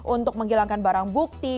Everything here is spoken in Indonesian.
untuk menghilangkan barang bukti